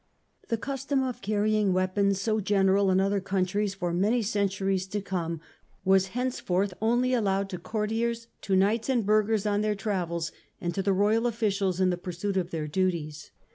The custom of carrying weapons, so general in other countries for many centuries to come, was henceforth only allowed to courtiers, to knights and burghers on their travels, and to the royal officials in the pursuit of their duties.